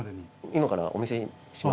今からお見せします。